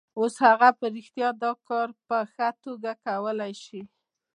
اوس هغه په رښتیا دا کار په ښه توګه کولای شي